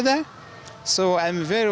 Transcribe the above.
dan cuaca yang baik